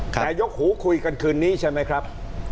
แต่ยกหูคุยกันคืนนี้ใช่ไหมครับ